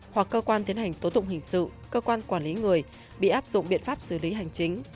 hoặc cơ quan tiến hành tố tụng hình sự cơ quan quản lý người bị áp dụng biện pháp xử lý hành chính